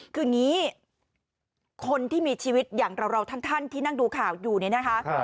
คืออย่างนี้คนที่มีชีวิตอย่างเราท่านที่นั่งดูข่าวอยู่เนี่ยนะคะ